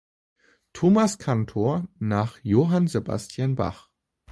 Thomaskantor nach Johann Sebastian Bach.